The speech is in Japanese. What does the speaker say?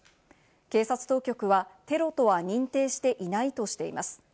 警察当局はテロとは認定していないとしています。